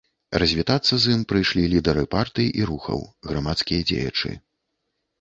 Развітацца з ім прыйшлі лідары партый і рухаў, грамадскія дзеячы.